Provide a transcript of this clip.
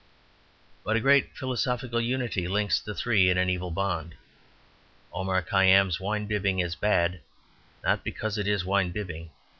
But a great philosophical unity links the three in an evil bond. Omar Khayyam's wine bibbing is bad, not because it is wine bibbing.